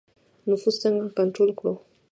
نفس څنګه کنټرول کړو؟